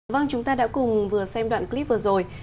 vâng chúng ta đã cùng vừa xem đoạn clip vừa rồi